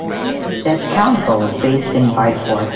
Its council is based in Bideford.